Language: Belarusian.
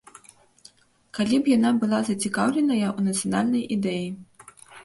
Калі б яна была зацікаўленая ў нацыянальнай ідэі.